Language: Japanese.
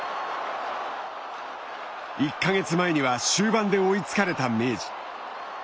１か月前には終盤で追いつかれた明治。